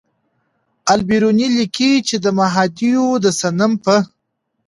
البېروني لیکي چې د مهادیو د صنم په